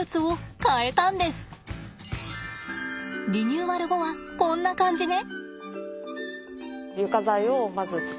リニューアル後はこんな感じね。